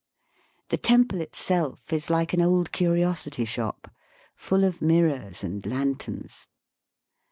The temple itself is like an old curiosity shop, full of mirrors and lanterns.